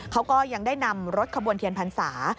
เขาก็ยังได้นำรถขบวนเทียนพรรษา